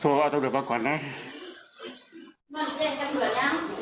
ตัวว่าต้องเดินมาก่อนนะมันเจ๋งจังเหรอเนี่ย